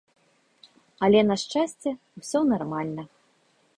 Але, на шчасце, усё нармальна.